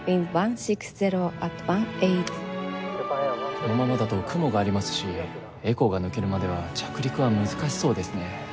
このままだと雲がありますしエコーが抜けるまでは着陸は難しそうですね。